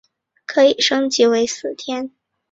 可以升级成为四天。